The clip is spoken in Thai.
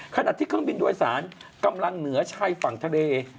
ขณะที่เครื่องบินโดยสารกำลังเหนือชายฝั่งทะเล